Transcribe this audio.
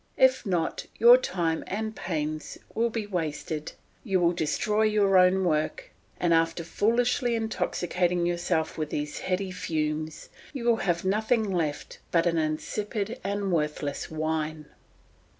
If not, your time and your pains will be wasted, you will destroy your own work, and after foolishly intoxicating yourself with these heady fumes, you will have nothing left but an insipid and worthless wine.